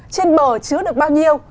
trên bờ chứa được bao nhiêu